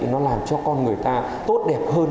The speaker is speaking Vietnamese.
nó làm cho con người ta tốt đẹp hơn